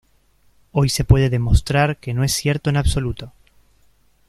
Hoy se puede demostrar que no es cierto en absoluto.